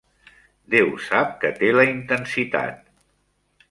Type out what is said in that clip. Déu sap que té la intensitat.